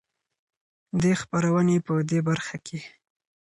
دې خپرونې په د برخه کې